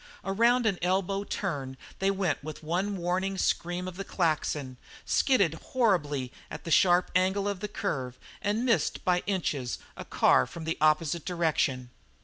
Around an elbow turn they went with one warning scream of the Klaxon, skidded horribly at the sharp angle of the curve, and missed by inches a car from the opposite direction.